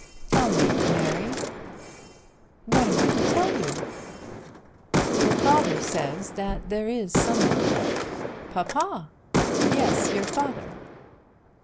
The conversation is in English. "Tell me, Mary." "What am I to tell you?" "Your father says that there is some one." "Papa!" "Yes; your father."